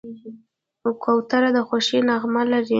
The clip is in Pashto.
کوتره د خوښۍ نغمه لري.